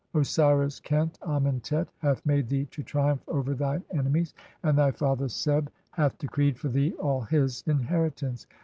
Osiris khent Amentet 1 "hath made thee to triumph over thine enemies, and thy father "Seb hath decreed for thee all his inheritance.